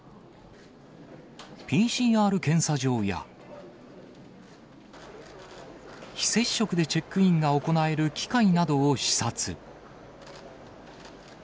ＰＣＲ検査場や、非接触でチェックインが行える機械などを視察。